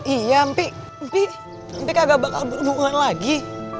iya empik empik empik gak bakal berhubungan lagi